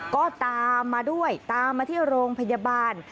ก็ตามมาด้วยตามมาที่โรงพยาบาล